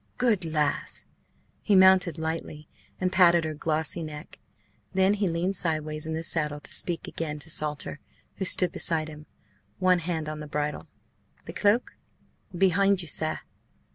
"Good lass!" He mounted lightly and patted her glossy neck. Then he leaned sideways in the saddle to speak again to Salter, who stood beside him, one hand on the bridle. "The cloak?" "Behind you, sir."